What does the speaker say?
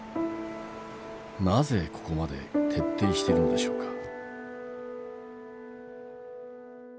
なぜここまで徹底しているのでしょうか。